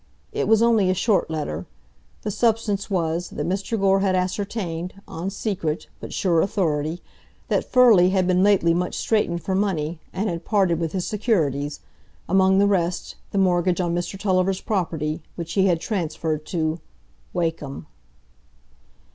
It was only a short letter; the substance was, that Mr Gore had ascertained, on secret, but sure authority, that Furley had been lately much straitened for money, and had parted with his securities,—among the rest, the mortgage on Mr Tulliver's property, which he had transferred to——Wakem.